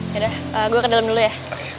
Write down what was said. yaudah gue ke dalam dulu ya